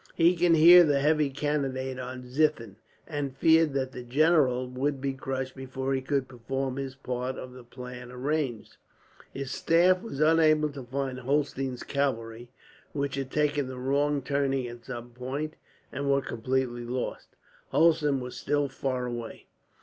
He could hear the heavy cannonade on Ziethen, and feared that that general would be crushed before he could perform his part of the plan arranged. His staff were unable to find Holstein's cavalry, which had taken the wrong turning at some point, and were completely lost. Hulsen was still far away.